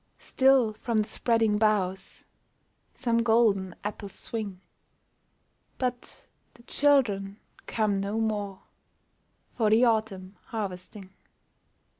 Still from the spreading boughs Some golden apples swing ; But the children come no more For the autumn harvesting.